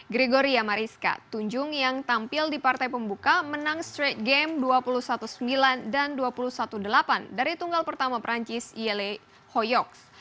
gregoria mariska tunjung yang tampil di partai pembuka menang straight game dua puluh satu sembilan dan dua puluh satu delapan dari tunggal pertama perancis yele hoyox